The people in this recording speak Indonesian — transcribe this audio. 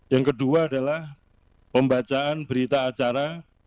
yang kedua adalah pembacaan berita acara